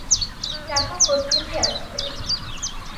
টাকা কোত্থেকে আসবে?